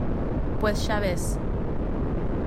pues ya ves.